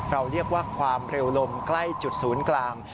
เรียกว่าความเร็วลมใกล้จุดศูนย์กลาง